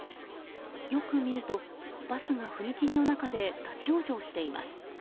よく見ると、バスが踏切の中で立ち往生しています。